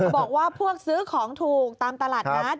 บอกว่าพวกซื้อของถูกตามตลาดนัด